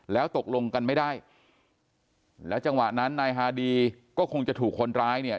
แล้วตกลงกันไม่ได้แล้วจังหวะนั้นนายฮาดีก็คงจะถูกคนร้ายเนี่ย